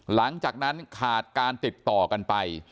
หลังจากนั้นขาดการติดต่อกันไป